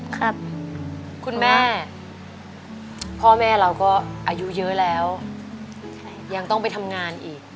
คุณแม่พ่อแม่เราก็อายุเยอะแล้วยังต้องไปทำงานอีก